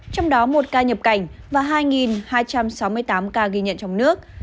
trong đó một ca nhập cảnh và hai hai trăm sáu mươi tám ca ghi nhận trong nước